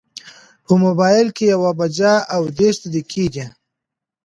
په مبایل کې یوه بجه او دېرش دقیقې وې.